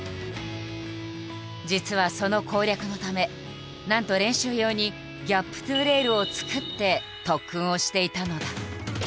実はその攻略のためなんと練習用に「ギャップｔｏレール」を作って特訓をしていたのだ。